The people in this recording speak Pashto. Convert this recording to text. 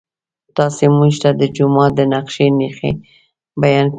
تاسو موږ ته د جومات د نقشې نښې بیان کړئ.